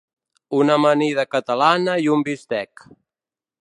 Una amanida catalana i un bistec.